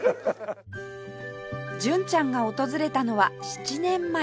純ちゃんが訪れたのは７年前